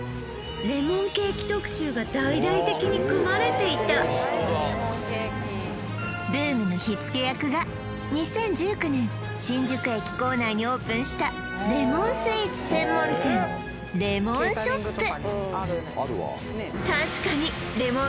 レモンケーキ特集が大々的に組まれていたブームの火つけ役が２０１９年新宿駅構内にオープンしたレモンスイーツ専門店レモンショップ